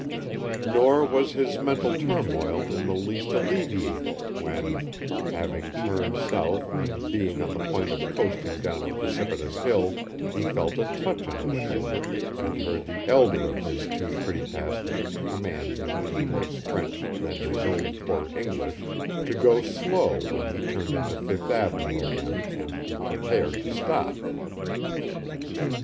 Nor was his mental turmoil in the least alleviated when, having turned south and being on the point of coasting down a precipitous hill he felt a touch on his shoulder and heard the elder of his two pretty passengers command him in worse French than his own poor English to go slow when he turned into Fifth avenue again and be prepared to stop.